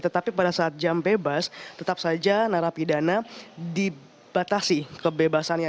tetapi pada saat jam bebas tetap saja narapidana dibatasi kebebasannya